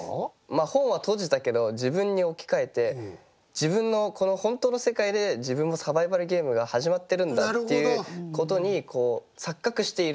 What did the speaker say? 本は閉じたけど自分に置き換えて自分のこの本当の世界で自分もサバイバルゲームが始まってるんだっていうことに錯覚している。